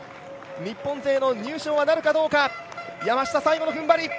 日本勢の入賞なるかどうか山下、最後のふんばり。